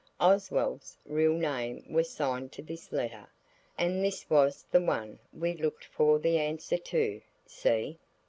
Oswald's real own name was signed to this letter, and this was the one we looked for the answer to. See?